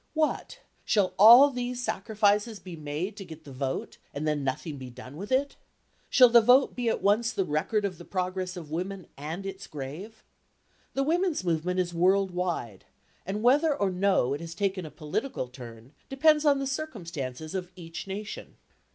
What! Shall all these sacrifices be made to get the vote and then nothing be done with it? Shall the vote be at once the record of the progress of women and its grave? The women's movement is world wide, and whether or no it has taken a political turn depends on the circumstances of each several nation.